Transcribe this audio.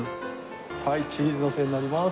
はいチーズのせになります。